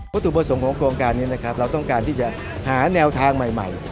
ตุประสงค์ของโครงการนี้นะครับเราต้องการที่จะหาแนวทางใหม่